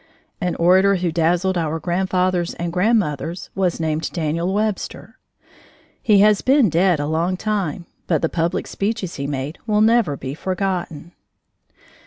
An orator who dazzled our grandfathers and grandmothers was named Daniel Webster. He has been dead a long time, but the public speeches he made will never be forgotten.